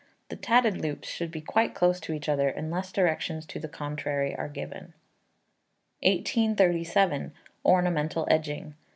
The tatted loops should be quite close to each other, unless directions to the contrary are given. 1837. Ornamental Edging.